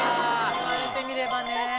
言われてみればね。